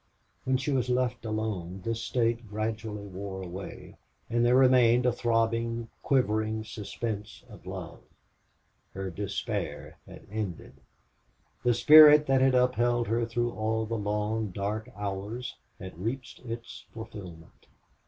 When she was left alone this state gradually wore away, and there remained a throbbing, quivering suspense of love. Her despair had ended. The spirit that had upheld her through all the long, dark hours had reached its fulfilment.